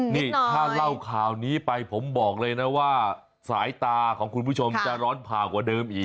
นี่ถ้าเล่าข่าวนี้ไปผมบอกเลยนะว่าสายตาของคุณผู้ชมจะร้อนผ่ากว่าเดิมอีก